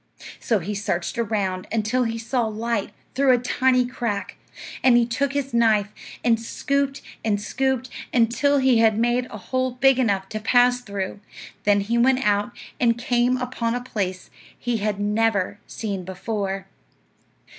So he searched around until he saw light through a tiny crack; and he took his knife and scooped and scooped, until he had made a hole big enough to pass through; then he went out, and came upon a place he had never seen before.